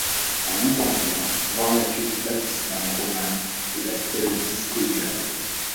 À l'intérieur, voir la cuve baptismale romane et la stèle discoïdale.